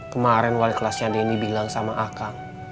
kemarin wali kelasnya denny bilang sama aka